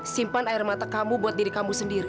simpan air mata kamu buat diri kamu sendiri